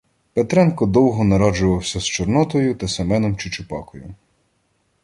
Петренко довго нараджувався з Чорнотою та Семеном Чучупакою.